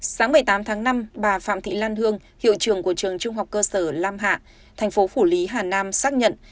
sáng một mươi tám tháng năm bà phạm thị lan hương hiệu trường của trường trung học cơ sở lam hạ thành phố phủ lý hà nam xác nhận